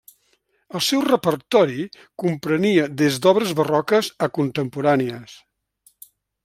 El seu repertori comprenia des d'obres barroques a contemporànies.